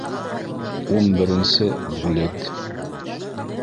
Ун беренсе бүлек